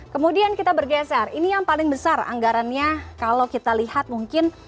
kemudian kita bergeser ini yang paling besar anggarannya kalau kita lihat mungkin